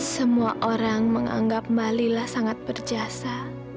semua orang menganggap mba lila sangat berjasa